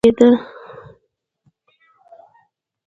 الاریک په اتو او څلور سوه کال کې د رومیانو پرضد جنګېده